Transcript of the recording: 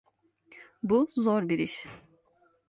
Bu zor bir iş.